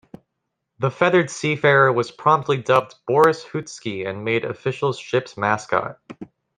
The feathered seafarer was promptly dubbed Boris Hootski and made official ship's mascot.